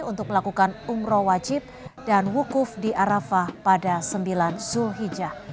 untuk melakukan umroh wajib dan wukuf di arafah pada sembilan zulhijjah